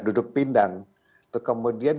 duduk pindang kemudian